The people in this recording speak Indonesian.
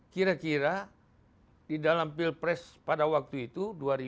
kira kira di dalam pilpres pada waktu itu dua ribu dua puluh